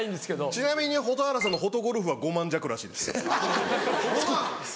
ちなみに蛍原さんのホトゴルフは５万弱らしいです。